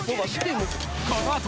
このあと！